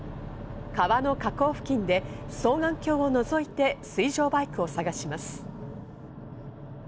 川の河口付近で双眼鏡をのぞいて、水上バイクを探します。